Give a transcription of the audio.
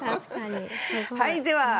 はいでは。